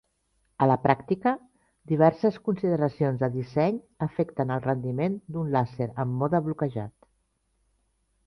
A la pràctica, diverses consideracions de disseny afecten el rendiment d'un làser en mode bloquejat.